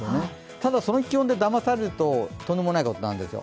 ただ、その気温でだまされると、とんでもないことになるんですよ。